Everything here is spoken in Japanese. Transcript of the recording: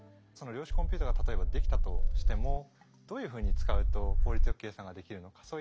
その量子コンピューターが例えばできたとしてもどういうふうに使うと効率よく計算ができるのか。